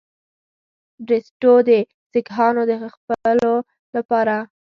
بریسټو د سیکهانو د ځپلو لپاره.